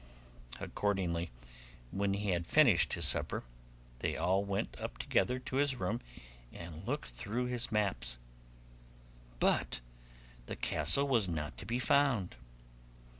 Accordingly, when he had finished his supper, they all went up together to his room and looked through his maps, but the castle was not to be found.